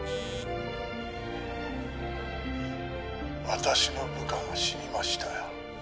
☎私の部下が死にましたよ